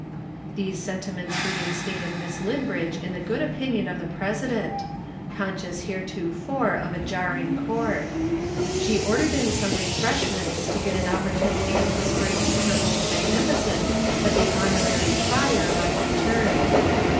These sentiments re instated Miss Linbridge in the good opinion of the President, conscious heretofore of a jarring chord. She ordered in some refreshments to get an opportunity of whispering to Turple the magnificent that the Honorary Trier might return.